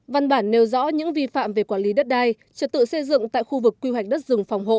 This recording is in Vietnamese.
văn bản nêu rõ những vi phạm về quản lý đất đai trật tự xây dựng tại khu vực quy hoạch đất rừng phòng hộ